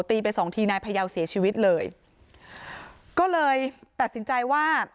ไปสองทีนายพยาวเสียชีวิตเลยก็เลยตัดสินใจว่า